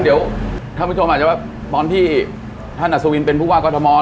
เดี๋ยวท่านผู้ชมอาจจะว่าตอนที่ท่านอัศวินเป็นผู้ว่ากรทม